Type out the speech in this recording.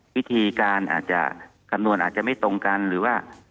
วิธีการอาจจะคำนวณอาจจะไม่ตรงกันหรือว่า